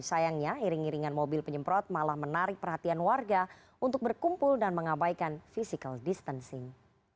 sayangnya iring iringan mobil penyemprot malah menarik perhatian warga untuk berkumpul dan mengabaikan physical distancing